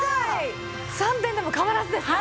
３点でも変わらずですか？